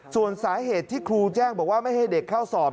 ส่วนสาเหตุที่ครูแจ้งบอกว่าไม่ให้เด็กเข้าสอบ